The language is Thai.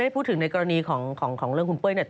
ไม่พูดถึงในกรณีของเรื่องคุณเป้อย